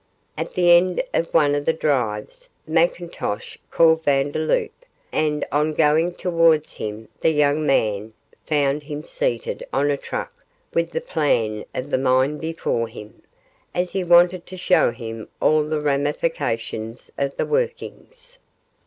At the end of one of the drives McIntosh called Vandeloup, and on going towards him the young man found him seated on a truck with the plan of the mine before him, as he wanted to show him all the ramifications of the workings.